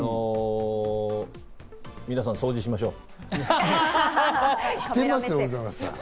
皆さん、掃除しましょう。